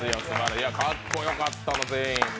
いや、かっこよかった全員。